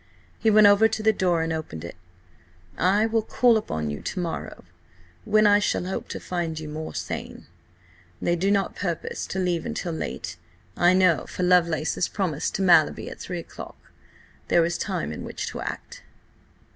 He went over to the door and opened it. "I will call upon you to morrow, when I shall hope to find you more sane. They do not purpose to leave until late, I know, for Lovelace is promised to Mallaby at three o'clock. There is time in which to act."